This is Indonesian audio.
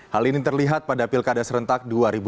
hal ini terlihat pada pilkada serentak dua ribu delapan belas